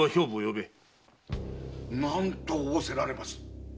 何と仰せられます？